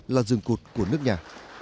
là rừng cột của nước nhà